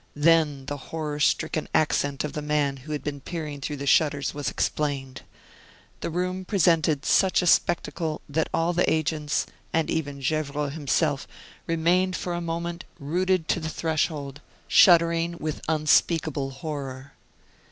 Then the horror stricken accent of the man who had been peering through the shutters was explained. The room presented such a spectacle that all the agents, and even Gevrol himself, remained for a moment rooted to the threshold, shuddering with unspeakable horror.